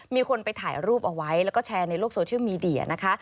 มีคนไปถ่ายรูปเอาไว้แล้วก็แชร์ในโลกโซเชียลมีเดียนะคะ